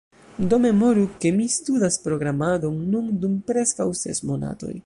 Do memoru, ke mi studas programadon nun dum preskaŭ ses monatoj.